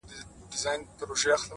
o شاوخوا ټولي سيمي؛